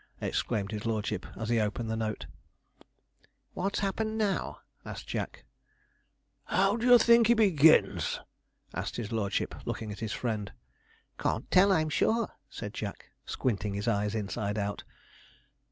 exclaimed his lordship, as he opened the note. 'What's happened now?' asked Jack. 'How d'ye think he begins?' asked his lordship, looking at his friend. 'Can't tell, I'm sure,' said Jack, squinting his eyes inside out.